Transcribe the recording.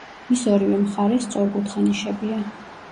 მის ორივე მხარეს სწორკუთხა ნიშებია.